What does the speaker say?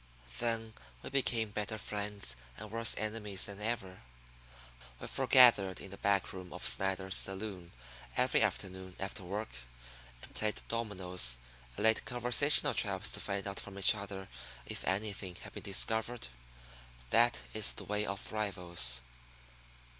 Then we became better friends and worse enemies than ever. We forgathered in the back room of Snyder's saloon every afternoon after work, and played dominoes, and laid conversational traps to find out from each other if anything had been discovered. That is the way of rivals.